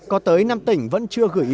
có tới năm tỉnh vẫn chưa gửi ý